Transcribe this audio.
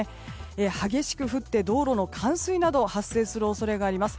激しく降って道路の冠水などが発生する恐れがあります。